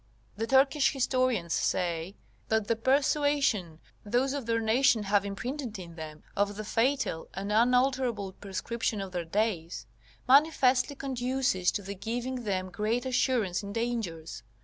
The Turkish historians say, that the persuasion those of their nation have imprinted in them of the fatal and unalterable prescription of their days, manifestly conduces to the giving them great assurance in dangers.